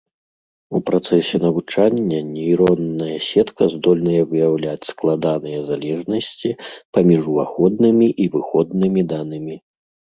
У працэсе навучання нейронная сетка здольная выяўляць складаныя залежнасці паміж уваходнымі і выходнымі данымі.